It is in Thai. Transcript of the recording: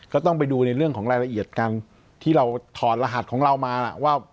ก็ต้องไปดูในเรื่องของรายละเอียดการที่เราถอดรหัสของเรามานะว่า